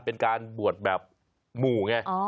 เป็นการบวชแบบหมู่ไงอ๋ออ๋ออ๋ออ๋ออ๋อ